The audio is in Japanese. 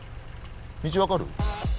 道分かる？